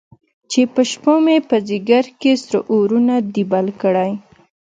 چې په شپومې، په ځیګر کې سره اورونه دي بل کړی